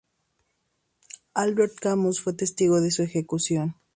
Albert Camus fue testigo de su ejecución.